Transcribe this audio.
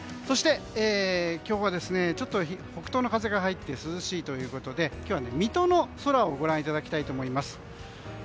そして今日は北東の風が入って涼しいということで今日は水戸の空をご覧いただきたいと思います。